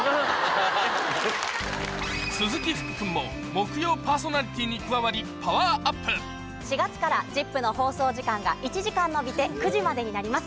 鈴木福君も木曜パーソナリティーに加わりパワーアップ４月から『ＺＩＰ！』の放送時間が１時間延びて９時までになります。